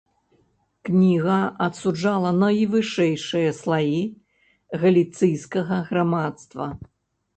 Кніга асуджала найвышэйшыя слаі галіцыйскага грамадства.